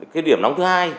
cái điểm nóng thứ hai